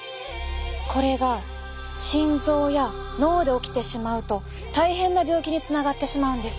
これが心臓や脳で起きてしまうと大変な病気につながってしまうんです。